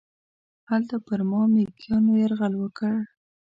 هلته پر ما میږیانو یرغل وکړ.